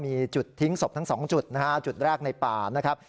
มีจุดทิ้งศพทั้ง๒จุดนะฮะจุดแรกในป่านะครับ